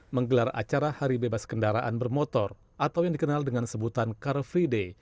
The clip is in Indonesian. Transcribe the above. menggelar acara hari bebas kendaraan bermotor atau yang dikenal dengan sebutan car free day